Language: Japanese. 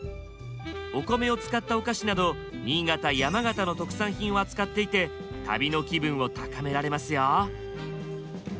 お米を使ったお菓子など新潟山形の特産品を扱っていて旅の気分を高められますよ。